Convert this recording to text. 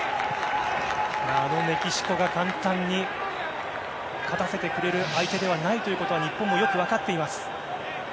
あのメキシコが簡単に勝たせてくれる相手ではないということは日本もよく分かっています。